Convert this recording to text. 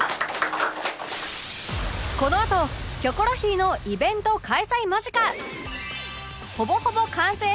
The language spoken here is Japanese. このあと『キョコロヒー』のイベント開催間近！